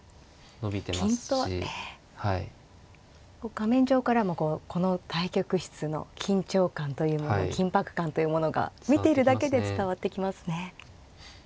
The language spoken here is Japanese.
画面上からもこの対局室の緊張感というもの緊迫感というものが見てるだけで伝わってきますね。